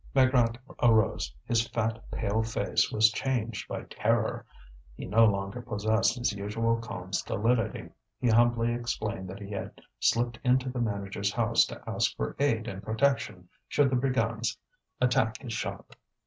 Maigrat arose; his fat, pale face was changed by terror. He no longer possessed his usual calm stolidity; he humbly explained that he had slipped into the manager's house to ask for aid and protection should the brigands attack his shop.